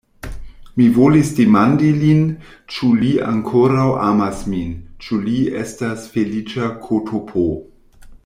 Mi volis demandi lin, ĉu li ankoraŭ amas min; ĉu li estas feliĉa ktp.